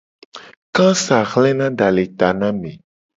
Kasa hlena da le ta na ame.